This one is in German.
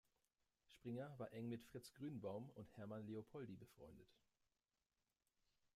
Springer war eng mit Fritz Grünbaum und Hermann Leopoldi befreundet.